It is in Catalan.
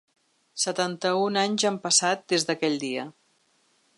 Setanta-un anys han passat des d’aquell dia.